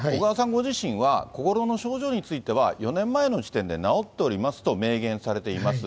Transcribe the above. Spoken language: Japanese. ご自身は、心の症状については４年前の時点で治っておりますと明言されています。